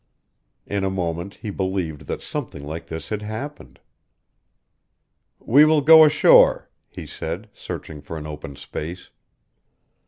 In a moment he believed that something like this had happened. "We will go ashore," he said, searching for an open space.